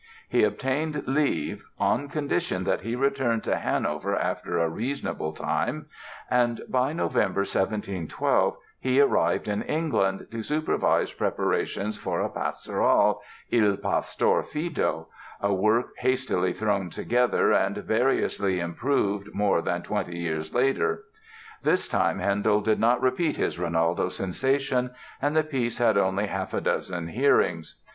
He obtained leave "on condition that he return to Hanover after a reasonable time"; and by November, 1712, he arrived in England to supervise preparations for a pastoral, "Il Pastor Fido", a work hastily thrown together and variously improved more than twenty years later. This time Handel did not repeat his "Rinaldo" sensation and the piece had only half a dozen hearings.